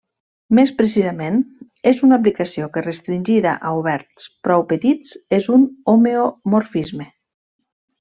Més precisament, és una aplicació que restringida a oberts prou petits és un homeomorfisme.